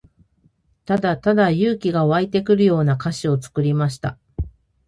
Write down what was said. ただただ勇気が湧いてくるような歌詞を作りました。